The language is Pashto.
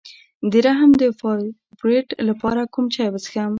د رحم د فایبرویډ لپاره کوم چای وڅښم؟